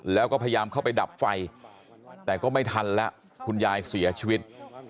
แล้วก็พยายามเข้าไปดับไฟแต่ก็ไม่ทันแล้วคุณยายเสียชีวิต